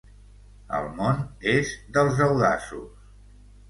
El món és dels audaços.